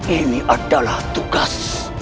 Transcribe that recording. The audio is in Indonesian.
ini adalah tugas